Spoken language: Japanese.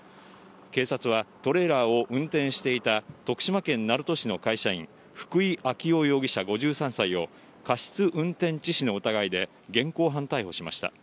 警察は、トレーラーを運転していた徳島県鳴門市の会社員、福井暁生容疑者５３歳を、過失運転致死の疑いで現行犯逮捕しました。